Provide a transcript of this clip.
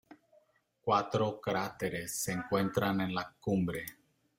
Cuatro cráteres se encuentran en la cumbre.